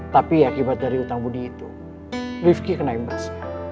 tapi akibat dari hutang budi itu rifki kena imbas